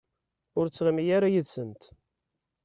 Ur ttɣimi ara yid-sent.